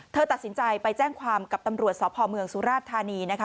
เธอตัดสินใจไปแจ้งความกับตำรวจสพเมืองสุราชธานีนะคะ